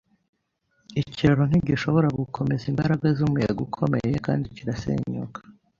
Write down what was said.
Ikiraro ntigishobora gukomeza imbaraga zumuyaga ukomeye kandi kirasenyuka.